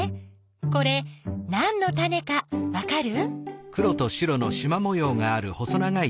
これなんのタネかわかる？